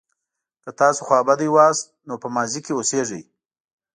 که تاسو خوابدي وئ نو په ماضي کې اوسیږئ.